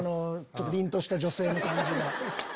凛とした女性の感じが。